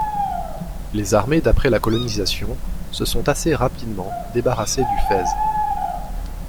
Les armées d'après la colonisation se sont assez rapidement débarrassées du fez.